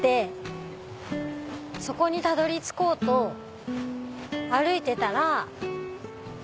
そこにたどり着こうと歩いてたら。